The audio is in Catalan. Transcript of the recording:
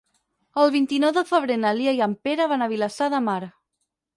El vint-i-nou de febrer na Lia i en Pere van a Vilassar de Mar.